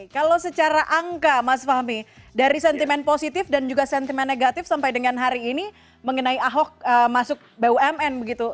kalau secara angka mas fahmi dari sentimen positif dan juga sentimen negatif sampai dengan hari ini mengenai ahok masuk bumn begitu